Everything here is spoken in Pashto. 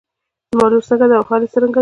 زما لور څنګه ده او حال يې څرنګه دی.